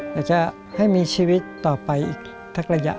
จะให้มีชีวิตต่อไปอีกสักระยะ